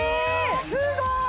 すごーい！